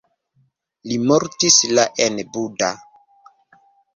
Li mortis la en Buda.